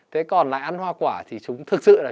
thế còn là ăn hoa quả thì chúng thực sự là